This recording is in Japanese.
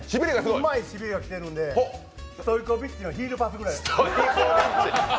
うまいしびれが来ているのでストイコビッチのヒールパスぐらいすごいです。